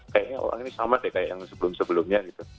kayaknya orang ini sama deh kayak yang sebelum sebelumnya gitu